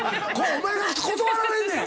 お前が断られんねん。